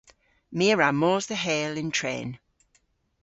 My a wra mos dhe Heyl yn tren.